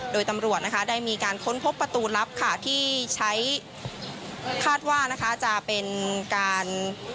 โดยตำรวจนะคะได้มีการค้นพบประตูลับค่ะที่ใช้คาดว่านะคะจะเป็นการ